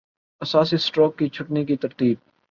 اساسی-سٹروک کی چھٹنی کی ترتیب